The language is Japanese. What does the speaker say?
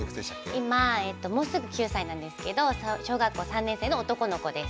今もうすぐ９歳なんですけど小学校３年生の男の子です。